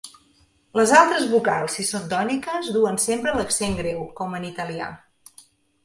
Les altres vocals, si són tòniques, duen sempre l'accent greu, com en italià.